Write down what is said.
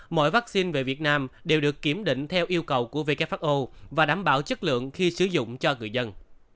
mọi vaccine về việt nam đều được kiểm định theo yêu cầu của who và đảm bảo chất lượng khi sử dụng cho người dân